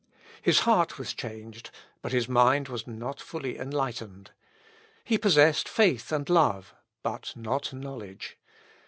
His heart was changed, but his mind was not fully enlightened. He possessed faith and love, but not knowledge.